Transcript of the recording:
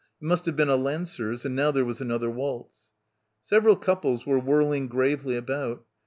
It must have been a Lancers and now there was another waltz. Several couples were whirling gravely about.